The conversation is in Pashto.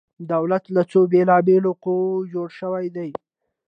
دولت له څو بیلا بیلو قواو جوړ شوی دی؟